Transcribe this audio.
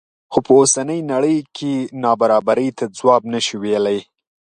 خو په اوسنۍ نړۍ کې نابرابرۍ ته ځواب نه شي ویلی.